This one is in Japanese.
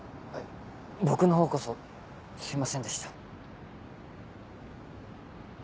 僕のほうこそすいませんでした。